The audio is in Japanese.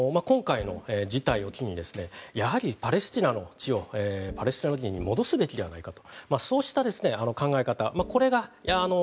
今回の事態を機にですねやはりパレスチナの地をパレスチナ人に時に戻すべきではないかとそうしたですね考え方